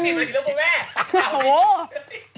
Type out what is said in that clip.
ยิ่งอย่างไรขนาดนี่แล้วคุณแม่